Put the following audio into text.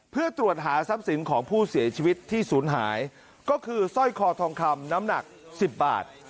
เพื่อตรวจหาทรัพย์สินของผู้เสียชีวิตที่ศูนย์หายก็คือสร้อยคอทองคำน้ำหนัก๑๐บาท